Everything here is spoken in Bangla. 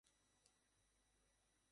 তোমার শো দেখে খুব ভালো লেগেছে।